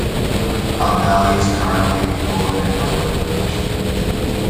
Abdali is currently deployed and under production.